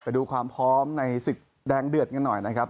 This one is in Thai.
ไปดูความพร้อมในศึกแดงเดือดกันหน่อยนะครับ